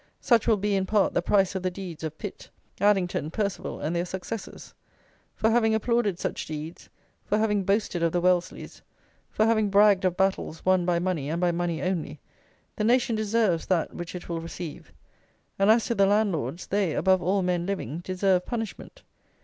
Such will be, in part, the price of the deeds of Pitt, Addington, Perceval, and their successors. For having applauded such deeds; for having boasted of the Wellesleys; for having bragged of battles won by money and by money only, the nation deserves that which it will receive; and as to the landlords, they, above all men living, deserve punishment.